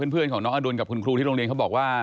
เพื่อนของน้องอดุลกับคุณครูที่โรงเรียนเขาบอกว่า